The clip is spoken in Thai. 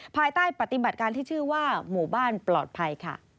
ภายใต้ปฏิบัติการที่ชื่อว่าหมู่บ้านปลอดภัยค่ะ